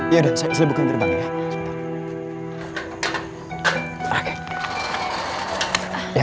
ya udah saya buka gerbangnya ya